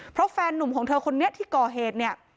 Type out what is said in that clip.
เพราะแฟนนุ่มของเธอคนนี้ที่ก่อเหตุเนี่ย